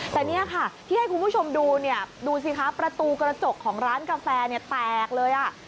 แต่เนี่ยค่ะที่ให้คุณผู้ชมดูเนี่ยดูสิคะประตูกระจกของร้านกาแฟเนี่ยแตกเลยอ่ะ